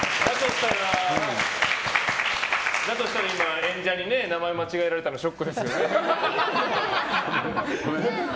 だとしたら今、演者に名前間違えられたのショックですよね。